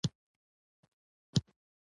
له نورو سره زشتې خبرې وکړي.